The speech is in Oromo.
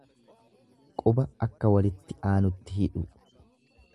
Quba akka walitti aanutti hidhu.